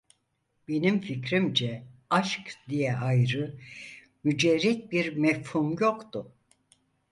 Benim fikrimce aşk diye ayrı, mücerret bir mefhum yoktu.